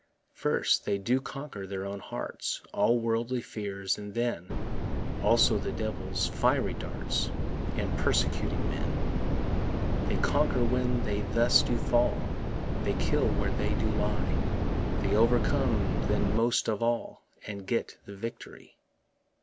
First, they do conquer their own hearts, All worldly fears, and then Also the devil's fiery darts, And persecuting men. They conquer when they thus do fall, They kill when they do die; They overcome then most of all, And get the victory.